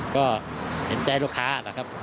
ก็เห็นใจลูกค้านะครับ